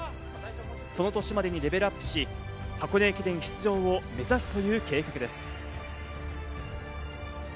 その年までにレベルアップし、箱根駅伝出場を目指すという計画です。